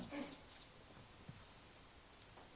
saya tak bisa beri pengetahuan